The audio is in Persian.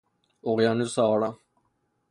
اقیانوس آرام